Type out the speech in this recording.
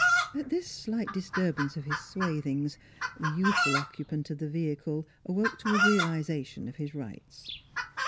At this slight disturbance of his swathings the youthful occupant of the vehicle awoke to a real ization of his rights.